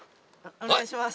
お願いします。